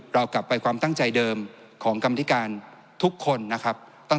เรากลับไปความตั้งใจเดิมของกรรมธิการทุกคนนะครับ